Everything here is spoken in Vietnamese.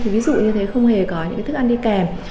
ví dụ như thế không hề có những thức ăn đi kèm